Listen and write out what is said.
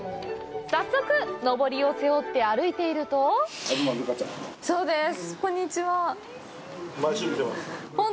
早速、のぼりを背負って歩いていると東留伽ちゃん。